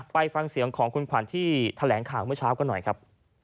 ไปฟังเสียงของคุณขวัญที่แถลงข่าวเมื่อเช้ากันหน่อยครับ